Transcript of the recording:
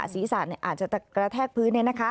ศีรษะอาจจะกระแทกพื้น